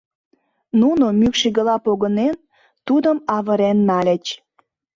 Нуно, мӱкш игыла погынен, тудым авырен нальыч.